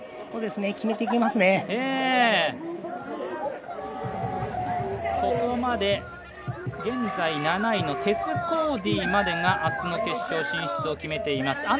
ここまで現在７位のテス・コーディまでが明日の決勝進出を決めています。